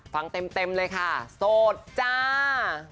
ฟังเต็มเลยค่ะโสดจ้า